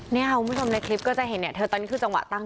คุณผู้ชมในคลิปก็จะเห็นเนี่ยเธอตอนนี้คือจังหวะตั้ง